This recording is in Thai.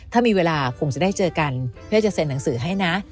ถ้ามีเวลาคงจะได้เจอกันเพื่อจะเซ็นหนังสือให้นะ